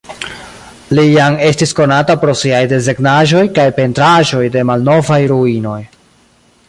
Li jam estis konata pro siaj desegnaĵoj kaj pentraĵoj de malnovaj ruinoj.